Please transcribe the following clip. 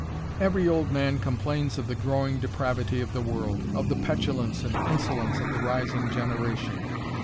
Every old man complains of the growing depravity of the world, of the petulance and insolence of the rising generation.